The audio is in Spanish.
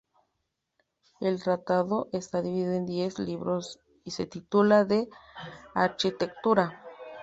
El tratado está dividido en diez libros y se titula "De Architectura".